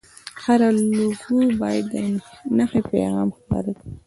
هره لوګو باید د نښې پیغام ښکاره کړي.